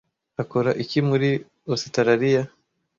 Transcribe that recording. akora iki muri Ositaraliya